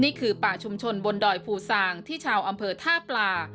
นี่คือป่าชุมชนบนดอยภูซางที่ชาวอำเภอท่าปลา